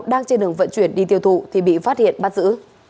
đang trên đường vận chuyển đi tiêu thụ thì bị phát hiện bắt giữ